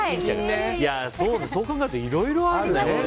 そう考えると、いろいろあるね。